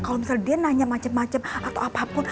kalau misalnya dia nanya macem macem atau apapun